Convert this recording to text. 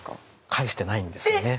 返してないんですよね。